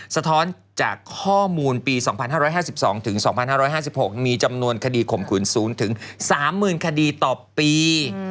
สะท้อนจากข้อมูลปี๒๕๕๒๒๕๕๖มีจำนวนคดีข่มขืนสูงถึง๓๐๐๐คดีต่อปี